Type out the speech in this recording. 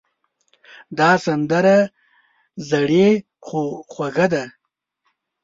دا سندره زړې خو خوږه ده.